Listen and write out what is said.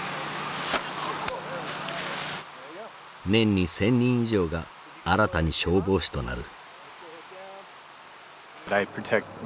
年に１，０００人以上が新たに消防士となる。